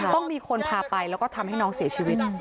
ต้องมีคนพาไปแล้วก็ทำให้น้องเสียชีวิต